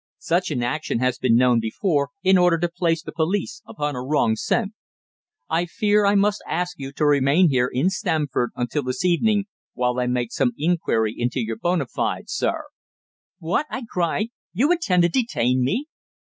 "Such an action has been known before, in order to place the police upon a wrong scent. I fear I must ask you to remain here, in Stamford, until this evening, while I make some inquiry into your bona fides, sir." "What!" I cried. "You intend to detain me!"